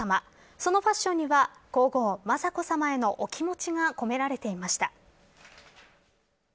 そのファッションには皇后雅子さまへのお気持ちが込められていました。